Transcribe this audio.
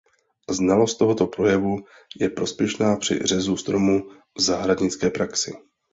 Znalost tohoto projevu je prospěšná při řezu stromů v zahradnické praxi.